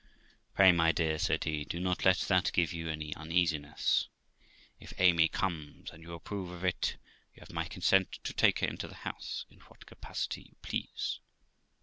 'Pray, my dear', said he, 'do not let that give you any uneasiness; if Amy comes, and you approve of it, you have my consent to take her into the house, in what capacity you please.